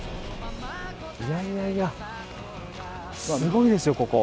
いやいやいや、すごいですよ、ここ。